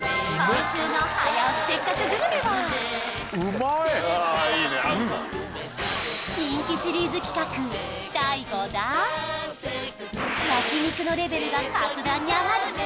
今週の「早起きせっかくグルメ！！」はああいいね人気シリーズ企画第５弾焼肉のレベルが格段に上がる！